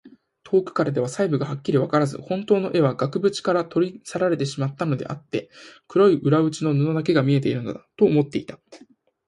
遠くからでは細部がはっきりわからず、ほんとうの絵は額ぶちから取り去られてしまったのであって、黒い裏打ちの布だけが見えているのだ、と思っていた。